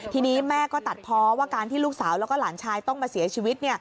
ทีนี้แม่ก็ตัดเพราะว่าการที่ลูกสาวแล้วก็หลานชายต้องมาเสียชีวิต